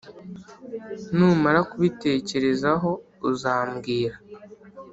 Numara kubitekerezaho uzambwira